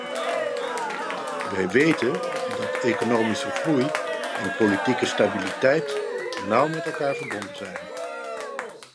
Wij weten dat economische groei en politieke stabiliteit nauw met elkaar zijn verbonden.